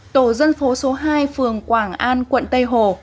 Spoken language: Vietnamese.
tổ dân phố số hai phường quảng an quận tây hồ